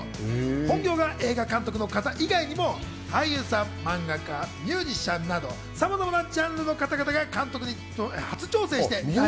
本業が映画監督の方以外にも俳優や漫画家、ミュージシャンなどさまざまなジャンルの方々が監督に初挑戦して。え？